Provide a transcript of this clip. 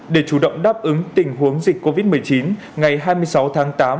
để chủ động đáp ứng tình huống dịch covid một mươi chín ngày hai mươi sáu tháng tám